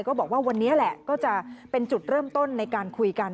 ก็บอกว่าวันนี้แหละก็จะเป็นจุดเริ่มต้นในการคุยกัน